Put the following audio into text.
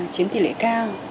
chiếm tỷ lệ cao